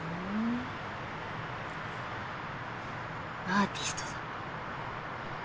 アーティストだ。